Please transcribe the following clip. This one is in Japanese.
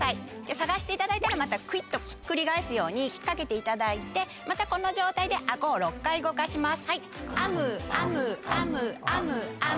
探していただいたらまたくいっとひっくり返すように引っ掛けていただいてまたこの状態でアゴを６回動かします。